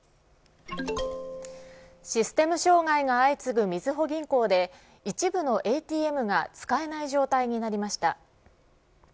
システム障害が相次ぐ、みずほ銀行で一部のＡＴＭが使えない状態になりました。